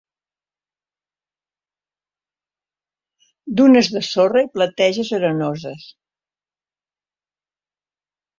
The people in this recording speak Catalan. Dunes de sorra i plateges arenoses.